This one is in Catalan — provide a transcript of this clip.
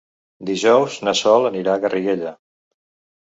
Dijous na Sol anirà a Garriguella.